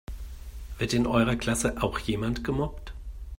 Wird in eurer Klasse auch jemand gemobbt?